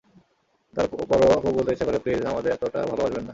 তার পরও খুব বলতে ইচ্ছে করে, প্লিজ, আমাদের এতটা ভালোবাসবেন না।